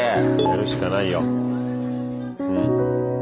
やるしかないよ。